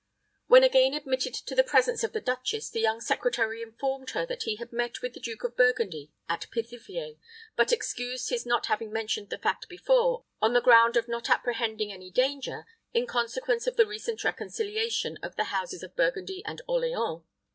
When again admitted to the presence of the duchess, the young secretary informed her that he had met with the Duke of Burgundy at Pithiviers, but excused his not having mentioned the fact before on the ground of not apprehending any danger in consequence of the recent reconciliation of the houses of Burgundy and Orleans.